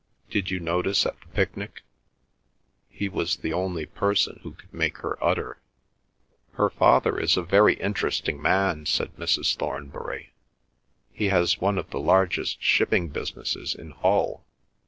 "Did you notice at the picnic? He was the only person who could make her utter." "Her father is a very interesting man," said Mrs. Thornbury. "He has one of the largest shipping businesses in Hull.